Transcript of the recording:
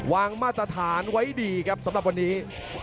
มาตรฐานไว้ดีครับสำหรับวันนี้